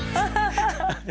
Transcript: ハハハハ！